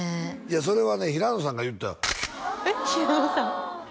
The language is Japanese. それはね平野さんが言ってたえっ平野さん